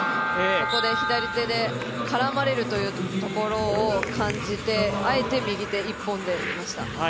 ここで左手で絡まれるというところを感じてあえて右手一本でいきました。